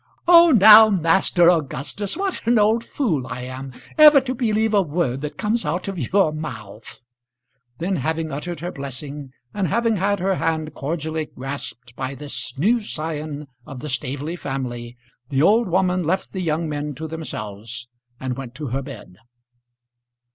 Oh now, Master Augustus, what an old fool I am ever to believe a word that comes out of your mouth." Then having uttered her blessing, and having had her hand cordially grasped by this new scion of the Staveley family, the old woman left the young men to themselves, and went to her bed.